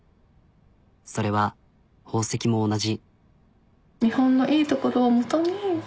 それは宝石も同じ。